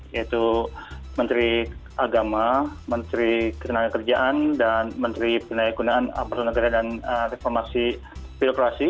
yaitu menteri agama menteri ketenagakerjaan dan menteri pendaya gunaan aparatur negara dan reformasi birokrasi